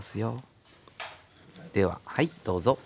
でははいどうぞ。